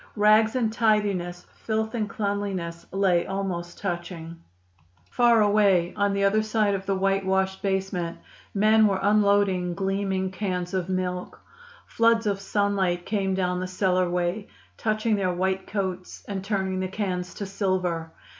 Rags and tidiness, filth and cleanliness, lay almost touching. Far away on the other side of the white washed basement, men were unloading gleaming cans of milk. Floods of sunlight came down the cellar way, touching their white coats and turning the cans to silver.